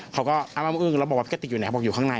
เขาก็อ้ำอึ้งแล้วบอกว่าพี่กติกอยู่ไหนบอกอยู่ข้างใน